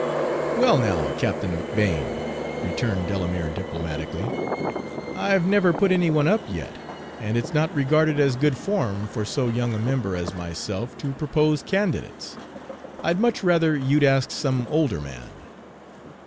"Well, now, Captain McBane," returned Delamere diplomatically, "I've never put any one up yet, and it's not regarded as good form for so young a member as myself to propose candidates. I'd much rather you'd ask some older man."